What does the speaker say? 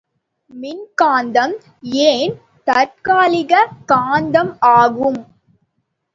மின்காந்தம் ஏன் தற்காலிகக் காந்தம் ஆகும்?